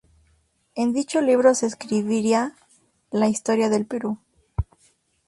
En dicho libro, se escribiría la historia del Perú.